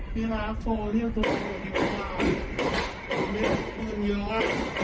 พี่รักโอ้ที่ตัวโกหกดีกว่าไม่ได้มีอีกมีแล้วอ่ะ